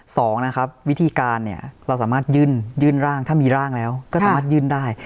สองนะครับวิธีการเนี่ยเราสามารถยื่นร่างถ้ามีร่างแล้วก็สามารถยื่นได้